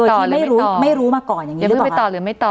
โดยที่ไม่รู้ไม่รู้มาก่อนอย่างงี้หรือเปล่ายังไม่ต่อหรือไม่ต่อ